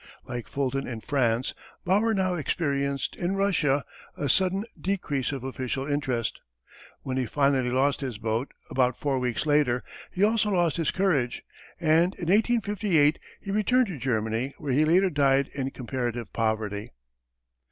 Like Fulton in France, Bauer now experienced in Russia a sudden decrease of official interest. When he finally lost his boat, about four weeks later, he also lost his courage, and in 1858 he returned to Germany where he later died in comparative poverty.